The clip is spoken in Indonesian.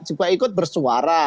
juga ikut bersuara